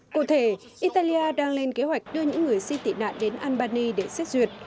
cụ thể italia đang lên kế hoạch đưa những người xin tị nạn đến albany để xét duyệt